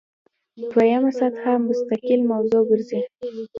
دویمه سطح مستقل موضوع ګرځي.